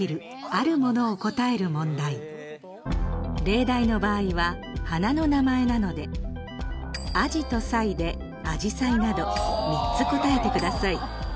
例題の場合は花の名前なので「アジ」と「サイ」で「アジサイ」など３つ答えてください。